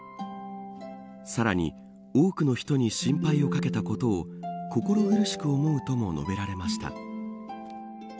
さらに、多くの人に心配をかけたことを心苦しく思うとも述べられました。